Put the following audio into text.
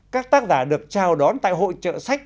các tác giả được chào đón tại hội trợ sách